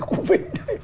cụ vịnh ấy